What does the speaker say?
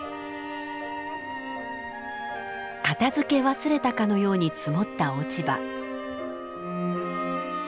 片づけ忘れたかのように積もった落ち葉。